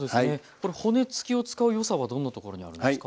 これ骨付きを使うよさはどんなところにあるんですか？